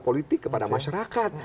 politik kepada masyarakat